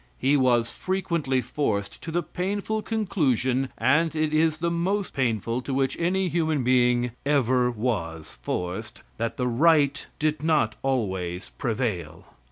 He was frequently forced to the painful conclusion (and it is the most painful to which any human being ever was forced) that the right did not always prevail.